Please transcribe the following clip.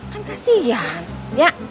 kan kasian ya